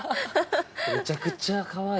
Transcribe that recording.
めちゃくちゃかわいい。